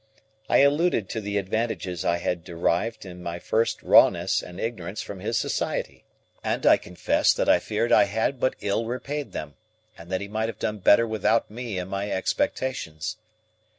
I alluded to the advantages I had derived in my first rawness and ignorance from his society, and I confessed that I feared I had but ill repaid them, and that he might have done better without me and my expectations.